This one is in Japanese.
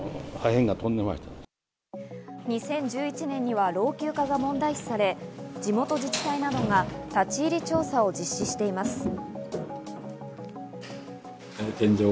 ２０１１年には老朽化が問題視され、地元自治体などが立ち入り調査を実施しています。